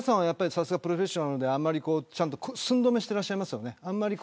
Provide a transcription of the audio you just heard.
さすがプロフェッショナルなので寸止めしてらっしゃいますよね。